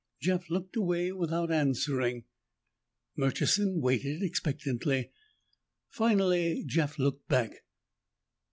Jeff looked away without answering. Murchison waited expectantly. Finally Jeff looked back.